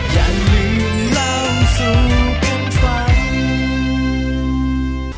อย่าลืมเล่าสู่กันฟัง